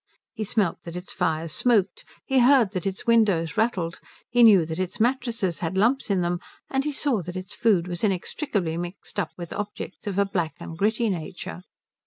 He smelt that its fires smoked, he heard that its windows rattled, he knew that its mattresses had lumps in them, and he saw that its food was inextricably mixed up with objects of a black and gritty nature.